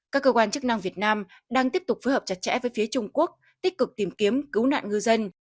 các cơ quan chức năng việt nam đang tiếp tục phối hợp chặt chẽ với phía trung quốc tích cực tìm kiếm cứu nạn ngư dân